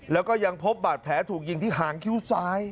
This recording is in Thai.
แล้วก็ยังพบบาดแผลถูกยิงที่หางคิ้วซ้าย